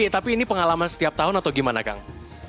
tapi ini pengalaman setiap tahun atau gimana kang